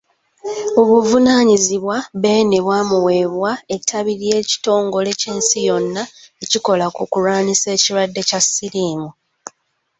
Obuvunaanyizibwa Beene bwamuweebwa ettabi ly'ekitongole ky'ensi yonna ekikola ku kulwanyisa ekirwadde kya Siriimu.